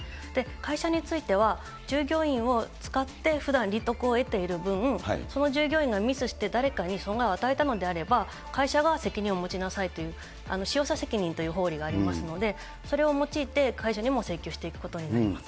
会社については、従業員を使って、ふだん利得を得ている分、その従業員がミスして誰かに損害を与えたのであれば、会社が責任を持ちなさいという、使用者責任という法理がありますので、それを用いて会社にも請求していくことになります。